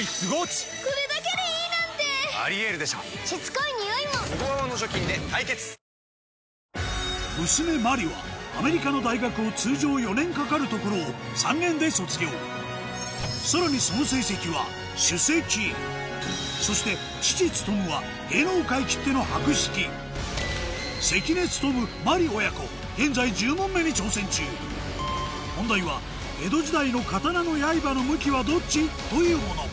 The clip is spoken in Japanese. この問題に正解して娘麻里はアメリカの大学を通常４年かかるところを３年で卒業さらにその成績は首席そして父勤は関根勤麻里親子現在１０問目に挑戦中問題は「江戸時代の刀の刃の向きはどっち？」というもの